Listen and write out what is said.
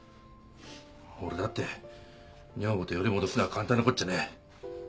俺だって女房とより戻すのは簡単なこっちゃねえ。